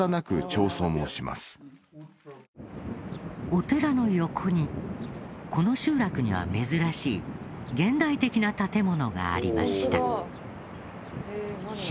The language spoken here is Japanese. お寺の横にこの集落には珍しい現代的な建物がありました。